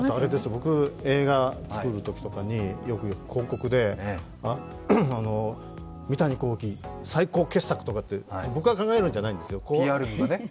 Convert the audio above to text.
僕、映画を作るときに、よく広告で「三谷幸喜、最高傑作！」とかって僕が考えるんじゃないですよ。